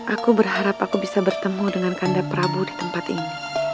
aku berharap aku bisa bertemu dengan kanda prabu di tempat ini